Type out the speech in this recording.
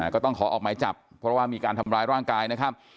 ก็ต้องขอออกหมายจับเพราะว่ามีการทำร้ายร่างกายนะครับ